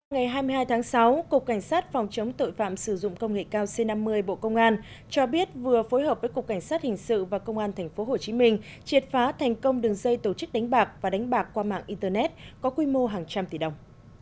ngày hai mươi hai tháng sáu cục cảnh sát phòng chống tội phạm sử dụng công nghệ cao c năm mươi bộ công an cho biết vừa phối hợp với cục cảnh sát hình sự và công an tp hcm triệt phá thành công đường dây tổ chức đánh bạc và đánh bạc qua mạng internet có quy mô hàng trăm tỷ đồng